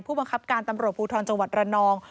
ผู้บังคับการตำรวจภูทรจังหวัดระนอง